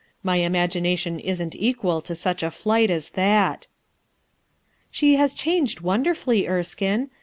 ray imagina tion isn't equal to such a flight as that/* "She has changed wonderfully, Erskine.